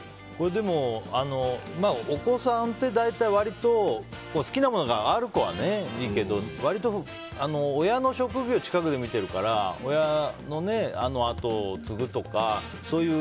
でも、お子さんって大体割と好きなものがある子はいいけど割と、親の職業を近くで見てるから親の跡を継ぐとかそういう。